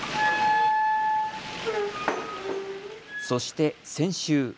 そして先週。